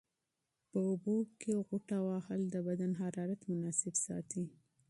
په اوبو کې غوټه وهل د بدن حرارت مناسب ساتي.